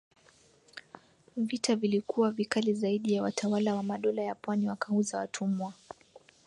Vita vilikuwa vikali zaidi na Watawala wa madola ya pwani wakauza watumwa